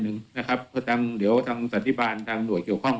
หนึ่งนะครับเพราะตั้งเดี๋ยวตั้งสัตธิบาลตั้งหน่วยเกี่ยวข้อง